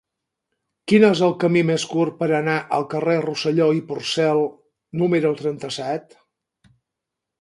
Quin és el camí més curt per anar al carrer de Rosselló i Porcel número trenta-set?